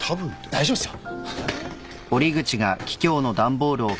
大丈夫ですよ。